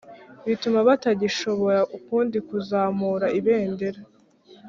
bituma batagishobora ukundi kuzamura ibendera.